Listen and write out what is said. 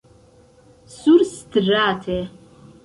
surstrate